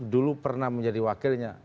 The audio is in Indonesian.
dulu pernah menjadi wakilnya